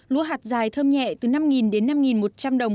lúa hạt dài thơm nhẹ từ năm đến năm một trăm linh đồng